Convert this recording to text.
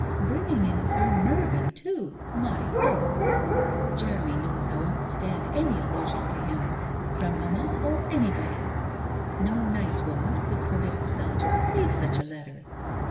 Bringing in Sir Mervyn too, 7ny horror! Jeremy knows I won't stand any allusion to him from mamma or anybody. No nice woman could permit herself to receive such a letter